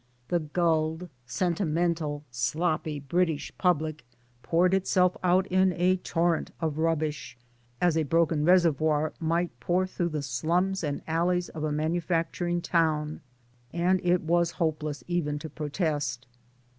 The gulled sentimental sloppy British public poured itself out in a torrent of rubbish as a broken reservoir might pour through the slums and alleys of a manu facturing town ; and it was hopeless even to protest.